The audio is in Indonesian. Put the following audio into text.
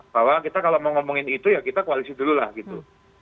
bahwa kita kalau mau ngomongin itu ya kita koalisi dulu lah gitu